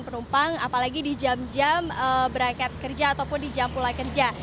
penumpang apalagi di jam jam berangkat kerja ataupun di jam pulang kerja